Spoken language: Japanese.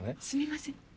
すみません。